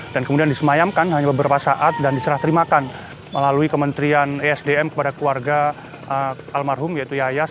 dan kemudian disemayamkan hanya beberapa saat dan diserah terimakan melalui kementerian esdm kepada keluarga almarhum yaitu yayas